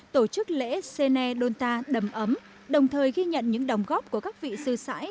tổ chức lễ sên đô tan đầm ấm đồng thời ghi nhận những đồng góp của các vị sư sãi